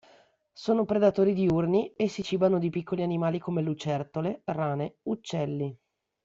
Sono predatori diurni e si cibano di piccoli animali come lucertole, rane, uccelli.